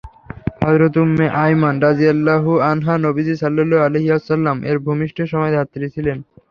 হযরত Umme Ayman রাযিয়াল্লাহু আনহা নবীজী সাল্লাল্লাহু আলাইহি ওয়াসাল্লাম এর ভূমিষ্ঠের সময় ধাত্রী ছিলেন।